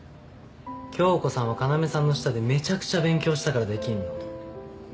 響子さんは要さんの下でめちゃくちゃ勉強したからできんの。